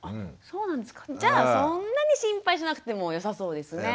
じゃあそんなに心配しなくてもよさそうですね。